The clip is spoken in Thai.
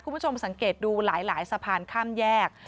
คุณผู้ชมสังเกตดูหลายสะพานข้ามแยก